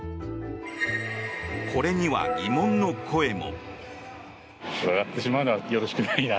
これには疑問の声も。